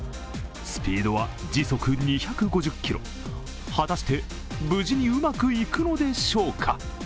スピードは時速２５０キロ、果たして無事にうまくいくのでしょうか。